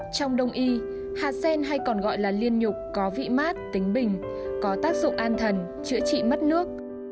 trong đông y hạt sen hay còn gọi là liên nhục có vị mát tính bình có tác dụng an thần chữa trị mất nước